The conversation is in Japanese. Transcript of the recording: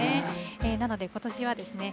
なのでことしはですね